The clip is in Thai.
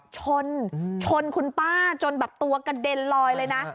ชนชนคุณป้าจนแบบตัวกระเด็นลอยเลยนะ